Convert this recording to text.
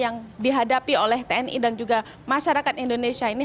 yang dihadapi oleh tni dan juga masyarakat indonesia ini